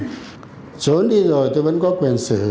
trốn đi rồi tôi vẫn có quyền xử